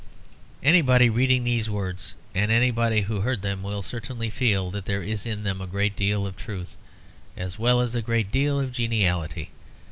Anybody reading these words, and anybody who heard them, will certainly feel that there is in them a great deal of truth, as well as a great deal of geniality.